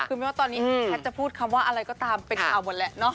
คือไม่ว่าตอนนี้แพทย์จะพูดคำว่าอะไรก็ตามเป็นข่าวหมดแล้วเนาะ